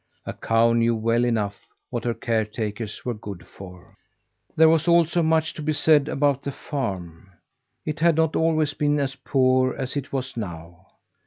A cow knew well enough what her caretakers were good for. There was also much to be said about the farm. It had not always been as poor as it was now.